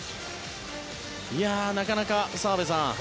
なかなか澤部さん